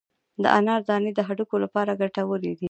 د انار دانې د هډوکو لپاره ګټورې دي.